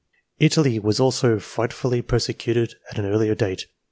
Italy was also frightfully persecuted at an earlier date.